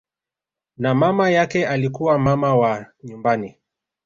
Na mama yake alikuwa mama wa nyumbani